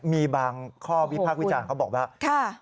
มีบางข้อวิพากษ์วิจารณ์เขาบอกว่า